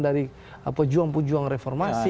dari pejuang pejuang reformasi